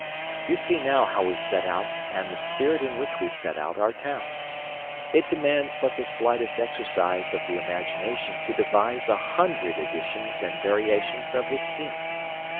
You see now how we set out and the spirit in which we set out our towns. It demands but the slightest exercise of the imagination to devise a hundred additions and variations of the scheme.